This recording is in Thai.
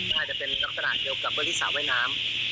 น่าจะเป็นลักษณะเกี่ยวกับบริสาะว่ายน้ำ